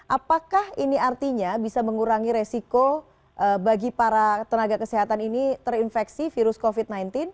apakah ini artinya bisa mengurangi resiko bagi para tenaga kesehatan ini terinfeksi virus covid sembilan belas